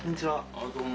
あっどうも。